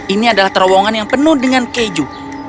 ini adalah terowongan yang penuh dengan keju